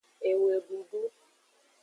Ewedudu.